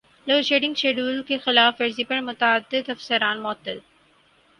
load shedding schedule کی خلاف ورزی پر متعدد افسران معطل